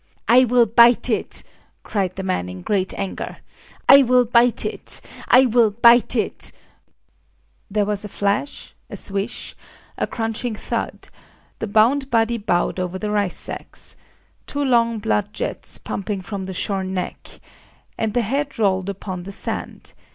"I will bite it!" cried the man, in great anger,—"I will bite it!—I will bite"— There was a flash, a swish, a crunching thud: the bound body bowed over the rice sacks,—two long blood jets pumping from the shorn neck;—and the head rolled upon the sand.